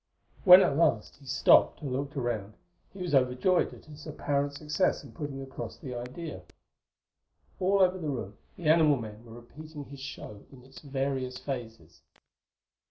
When at last he stopped and looked around, he was over joyed at his apparent success in putting across the idea. All over the room the animal men were repeating his show in its various phases.